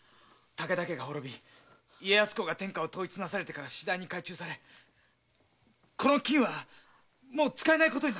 ⁉武田家が滅び家康公が天下を統一なされてからしだいに改鋳されこの金はもう使えないことになっている。